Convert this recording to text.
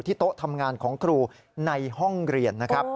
โต๊ะทำงานของครูในห้องเรียนนะครับ